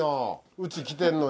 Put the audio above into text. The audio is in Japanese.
うち来てるのに。